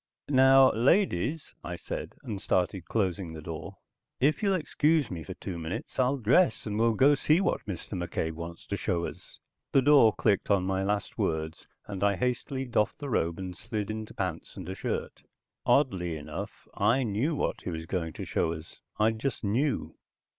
"Now ladies," I said, and started closing the door. "If you'll excuse me for two minutes I'll dress and we'll go see what Mr. McCabe wants to show us." The door clicked on my last words, and I hastily doffed the robe and slid into pants and a shirt. Oddly enough, I knew what he was going to show us. I just knew.